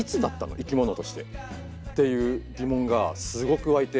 生き物としてっていう疑問がすごく湧いて。